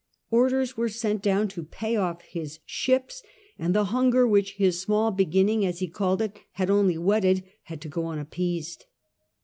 Orders were sent down to pay off his ships, and the hunger which his small beginning, as he called it, had only whetted, had to go unappeased.